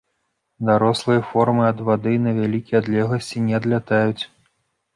Дарослыя формы ад вады на вялікія адлегласці не адлятаюць.